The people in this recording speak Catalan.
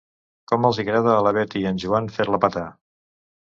Com els hi agrada a la Betty i en Joan fer-la petar.